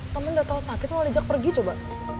temen udah tau sakit mau dijak pergi coba